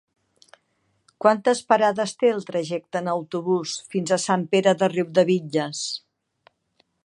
Quantes parades té el trajecte en autobús fins a Sant Pere de Riudebitlles?